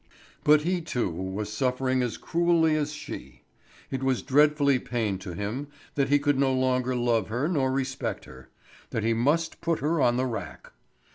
But he, too, was suffering as cruelly as she. It was dreadful pain to him that he could no longer love her nor respect her, that he must put her on the rack.